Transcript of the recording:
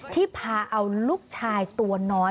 ที่พาเอาลูกชายตัวน้อย